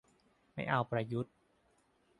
ไม่เอาประยุทธ์